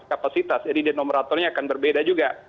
jadi kapasitas jadi denomenatornya akan berbeda juga